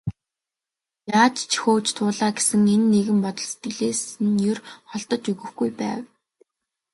Яаж ч хөөж туулаа гэсэн энэ нэгэн бодол сэтгэлээс нь ер холдож өгөхгүй байв.